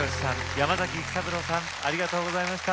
山崎育三郎さんありがとうございました。